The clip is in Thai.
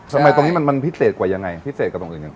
ทำไมตรงนี้มันพิเศษกว่ายังไงพิเศษกว่าตรงอื่นยังไง